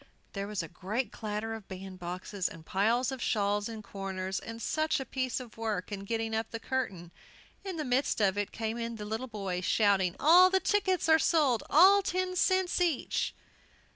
There was a great clatter of bandboxes, and piles of shawls in corners, and such a piece of work in getting up the curtain! In the midst of it came in the little boys, shouting, "All the tickets are sold, at ten cents each!"